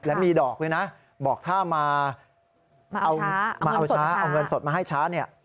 และมีดอกด้วยนะบอกถ้ามาเอาเงินสดมาให้ช้าเนี่ย